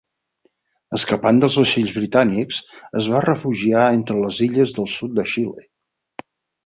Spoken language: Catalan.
Escapant dels vaixells britànics es va refugiar entre les illes del sud de Xile.